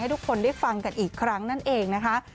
ทุกคนได้ฟังกันอีกครั้งนั่นเองนะคะ